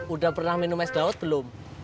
udah pernah minum es dawet belum